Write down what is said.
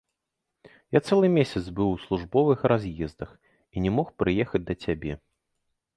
Я цэлы месяц быў у службовых раз'ездах і не мог прыехаць да цябе.